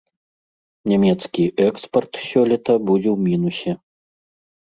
Нямецкі экспарт сёлета будзе ў мінусе.